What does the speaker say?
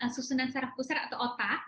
susunan saraf pusat atau otak